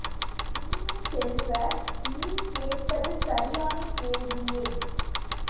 இனிய செல்வ, நீ கேட்பது சரியான கேள்வியே!